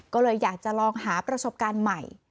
ก็เลยอยากจะลองหาประสบการณ์ใหม่